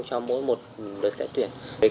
cho mỗi một học sinh